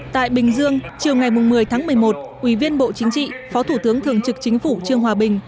tại bình dương chiều ngày một mươi tháng một mươi một ủy viên bộ chính trị phó thủ tướng thường trực chính phủ trương hòa bình